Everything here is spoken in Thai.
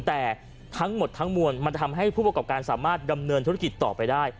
แต่ทั้งหมดทั้งมวลมันจะทำให้ผู้ประกอบการสามารถดำเนินธุรกิจต่อไปได้